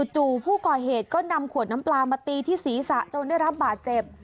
จู่ผู้ก่อเหตุก็นำขวดน้ำปลามาตีที่ศีรษะจนได้รับบาดเจ็บ